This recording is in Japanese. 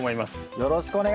よろしくお願いします。